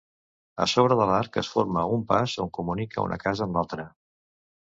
A sobre de l'arc es forma un pas on comunica una casa amb l'altra.